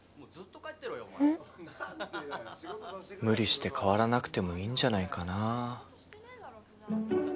無理して変わらなくてもいいんじゃないかな。